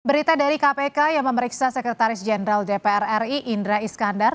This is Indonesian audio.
berita dari kpk yang memeriksa sekretaris jenderal dpr ri indra iskandar